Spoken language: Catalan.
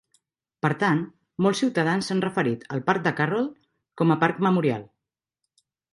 Per tant, molts ciutadans s'han referit al parc de Carroll com a Parc Memorial.